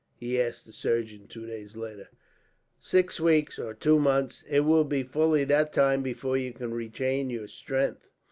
he asked the surgeon, two days later. "Six weeks or two months. It will be fully that time before you can regain your strength.